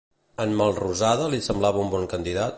En Melrosada li semblava un bon candidat?